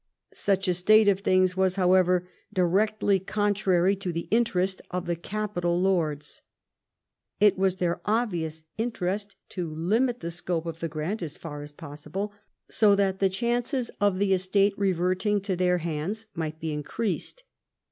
Such a state of things was, however, directly contrary to the interest of the capital lords. It was their obvious in terest to limit the scope of the grant as far as possible, so that the chances of the estate reverting to their hands might be increased.